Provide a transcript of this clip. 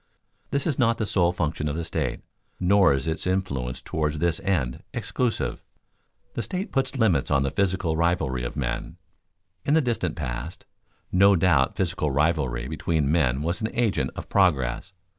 _ This is not the sole function of the state, nor is its influence toward this end exclusive. The state puts limits to the physical rivalry of men. In the distant past no doubt physical rivalry between men was an agent of progress.